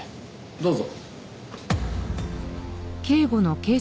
どうぞ。